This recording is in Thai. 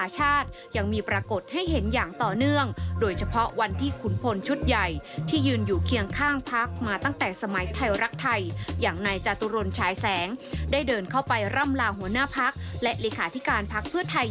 ชอบประเด็นเรื่องนี้จากรายงานครับ